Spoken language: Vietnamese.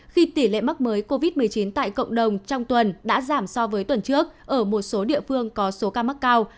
khi tỷ lệ mắc mới covid một mươi chín tại cộng đồng trong tuần đã giảm so với tuần trước ở một số địa phương có số ca mắc cao